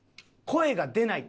声が出てない。